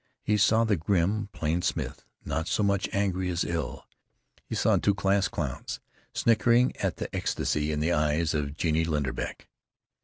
He saw the grim Plain Smith, not so much angry as ill. He saw two class clowns snickering at the ecstasy in the eyes of Genie Linderbeck.